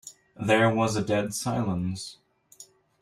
There was a dead silence.